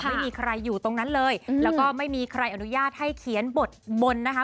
ไม่มีใครอยู่ตรงนั้นเลยแล้วก็ไม่มีใครอนุญาตให้เขียนบทบนนะคะ